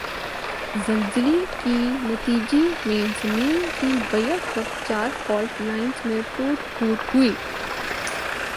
زلزلی کی نتیجی میں زمین کی بیک وقت چار فالٹ لائنز میں ٹوٹ پھوٹ ہوئی۔